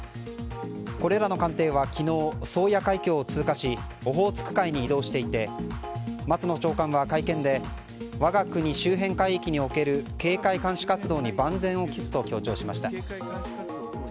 これらの艦艇は昨日宗谷海峡を通過しオホーツク海に移動していて松野長官は会見で我が国周辺海域における警戒監視活動に万全を期すと強調しました。